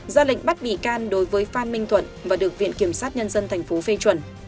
ra lệnh bắt bị can đối với phan minh thuận và được viện kiểm sát nhân dân tp phê chuẩn